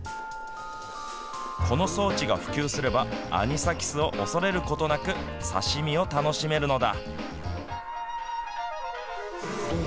この装置が普及すればアニサキスを恐れることなく刺身を楽しめるのだ。